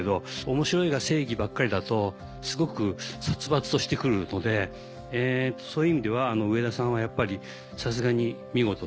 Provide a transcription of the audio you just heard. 面白いが正義ばっかりだとすごく殺伐としてくるのでそういう意味では上田さんはやっぱりさすがに見事で。